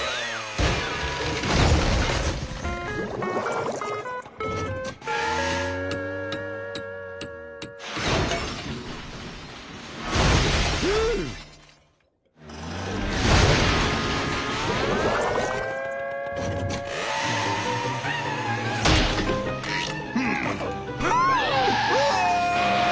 ああ！